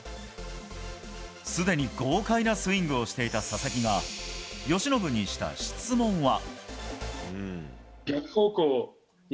すでに豪快なスイングをしていた佐々木が由伸にした質問は。